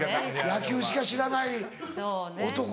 野球しか知らない男が。